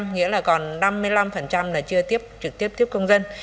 nghĩa là còn năm mươi năm là chưa tiếp trực tiếp tiếp công dân